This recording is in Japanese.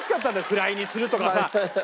「フライにする」とかさ。